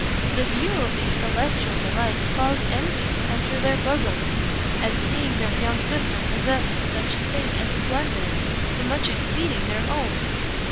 The view of these celestial delights caused envy to enter their bosoms, at seeing their young sister possessed of such state and splendor, so much exceeding their own.